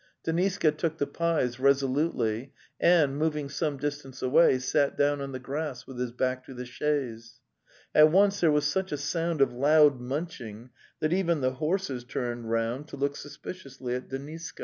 Deniska took the pies resolutely, and, moving some distance away, sat down on the grass with his back to the chaise. At once there was such a sound of loud munching that even the horses turned round to look suspiciously at Deniska.